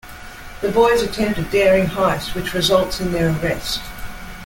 The boys attempt a daring heist, which results in their arrest.